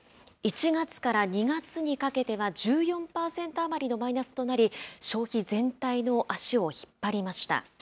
１月から２月にかけては１４％余りのマイナスとなり、消費全体の足を引っ張りました。